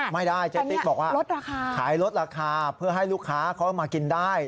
ไม่ได้เจ๊ติ๊กบอกว่าขายลดราคาเพื่อให้ลูกค้าเขามากินได้